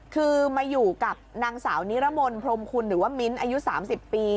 คือมาอยู่กับนางสาวนิรมนต์พรมคุณหรือว่ามิ้นอายุ๓๐ปี